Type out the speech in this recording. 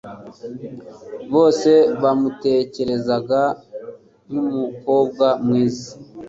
Bose bamutekerezaga nkumukobwa mwiza.